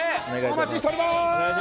お待ちしておりまーす！